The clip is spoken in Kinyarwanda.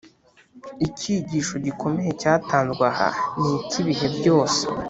icyigisho gikomeye cyatanzwe aha ni icy’ibihe byose.